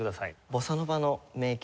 ボサノヴァの名曲